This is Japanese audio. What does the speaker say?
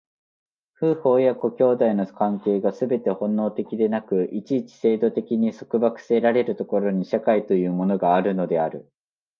夫婦親子兄弟の関係がすべて本能的でなく、一々制度的に束縛せられる所に、社会というものがあるのである。